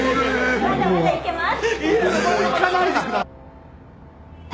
まだまだいけます。